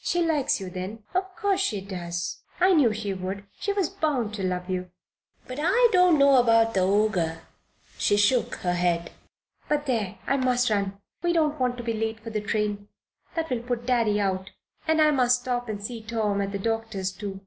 "She likes you, then?" "Of course she does." "I knew she would, she was bound to love you. But I don't know about the Ogre," and she shook her head. "But there! I must run. We don't want to be late for the train. That will put Daddy out. And I must stop and see Tom at the doctor's, too."